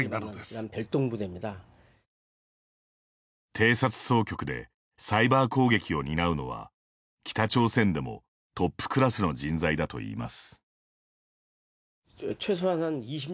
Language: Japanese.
偵察総局でサイバー攻撃を担うのは北朝鮮でもトップクラスの人材だといいます。